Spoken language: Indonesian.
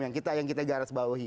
yang kita garis bawahi